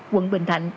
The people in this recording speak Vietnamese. quận bình thạnh